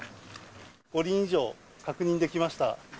５輪以上確認できました。